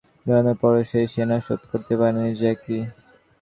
কিন্তু সাজিদকে অনেক বছর ঘোরানোর পরও সেই দেনা শোধ করতে পারেননি জ্যাকি।